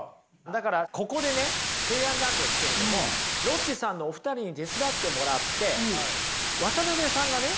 だからここでね提案なんですけれどもロッチさんのお二人に手伝ってもらって渡辺さんがね